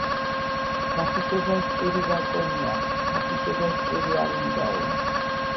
გაფუჭებას ჭირი ვაკონია."გაფუჭებას ჭირი არ უნდაო.